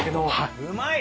うまい！